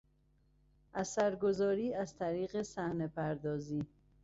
اثر گذاری از طریق صحنه پردازی